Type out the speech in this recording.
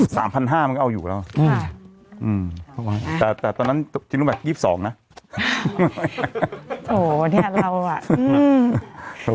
สามพันห้ามันก็เอาอยู่แล้วอืมอืมตะแต่ตอนนั้นจริงดูแบบยี่สามนะโอ้